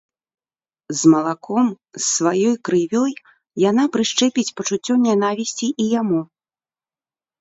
З малаком, з сваёй крывёй яна прышчэпіць пачуццё нянавісці і яму.